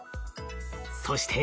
そして。